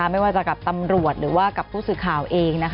ไม่ว่าจะกับตำรวจหรือว่ากับผู้สื่อข่าวเอง